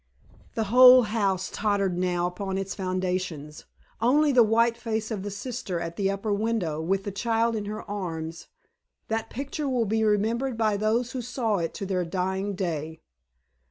The whole house tottered now upon its foundations. Only the white face of the sister at the upper window, with the child in her arms. That picture will be remembered by those who saw it to their dying day.